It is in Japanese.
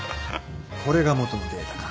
これが元のデータか